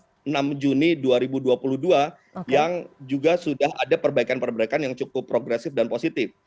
pada tanggal enam juni dua ribu dua puluh dua yang juga sudah ada perbaikan perbaikan yang cukup progresif dan positif